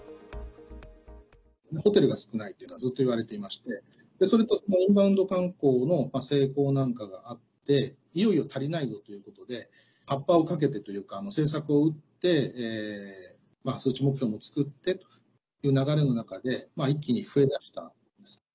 ホテルが少ないっていうのはずっといわれていましてそれとインバウンド観光の成功なんかがあっていよいよ足りないぞということでハッパをかけてというか政策を打って、数値目標も作ってという流れの中で一気に増えだしたんですね。